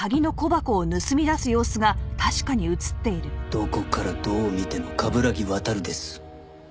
どこからどう見ても冠城亘です。